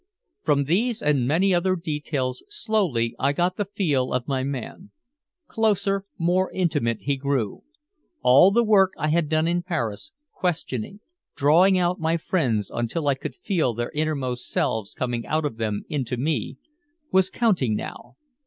'" From these and many other details slowly I got the feel of my man. Closer, more intimate he grew. All the work I had done in Paris, questioning, drawing out my friends until I could feel their inner selves coming out of them into me, was counting now.